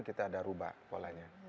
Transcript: kita ada rubah polanya